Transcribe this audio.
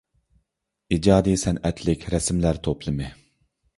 ئىجادىي سەنئەتلىك رەسىملەر توپلىمى.